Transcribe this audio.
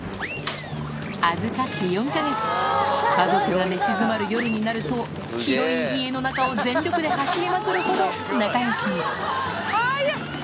預かって４か月、家族が寝静まる夜になると、広い家の中を全力で走りまくるほど仲よしに。